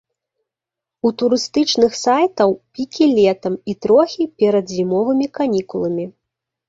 У турыстычных сайтаў пікі летам і трохі перад зімовымі канікуламі.